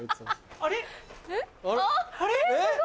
あれ？